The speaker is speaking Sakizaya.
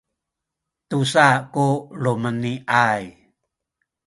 tusa ku lumeni’ay